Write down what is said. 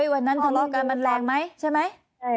วันนั้นทะเลาะกันมันแรงไหมใช่ไหม